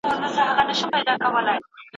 هغه په خپلو ليکنو کې د ملت ارزښتونه وښودل.